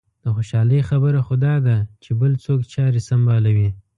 د خوشالۍ خبره خو دا ده چې بل څوک چارې سنبالوي.